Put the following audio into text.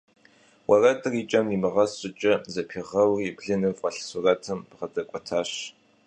Уэрэдыр и кӀэм нимыгъэс щӀыкӀэ зэпигъэури, блыным фӀэлъ сурэтым бгъэдэкӀуэтащ.